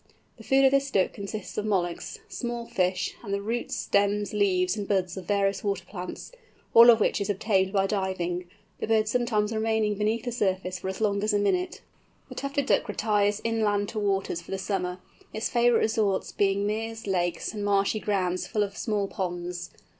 The food of this Duck consists of molluscs, small fish, and the roots, stems, leaves, and buds of various water plants—all of which is obtained by diving, the bird sometimes remaining beneath the surface for as long as a minute. The Tufted Duck retires to inland waters for the summer, its favourite resorts being meres, lakes, and marshy grounds full of small ponds.